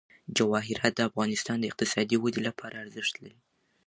جواهرات د افغانستان د اقتصادي ودې لپاره ارزښت لري.